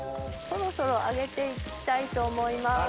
そろそろ上げて行きたいと思います。